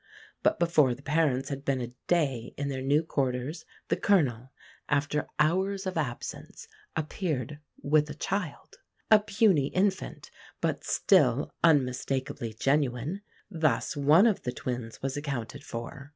But before the parents had been a day in their new quarters the Colonel, after hours of absence, appeared with a child a puny infant, but still unmistakably genuine. Thus one of the twins was accounted for.